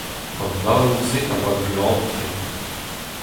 An aour-se a oa glan-tre.